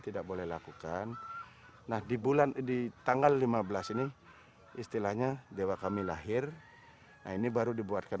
tidak boleh lakukan nah di bulan di tanggal lima belas ini istilahnya dewa kami lahir ini baru dibuatkan